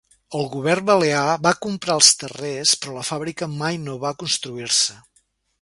El Govern Balear va comprar els terrers però la fàbrica mai no va construir-se.